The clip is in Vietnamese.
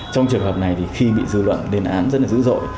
trong trường hợp này thì khi bị dư luận lên án rất là dữ dội